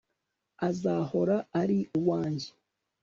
azahora ari uwanjye